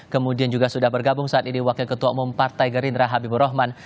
kemudian juga sudah bergabung saat ini wakil ketua umum partai gerindra habibur rahman